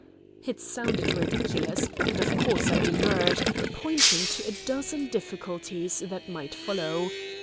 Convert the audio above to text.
It sounded ridiculous, and of course I demurred, pointing to a dozen difficulties that might follow.